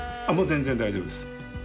全然大丈夫です。